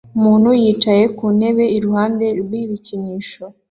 Umuntu yicaye ku ntebe iruhande rw'ibikinisho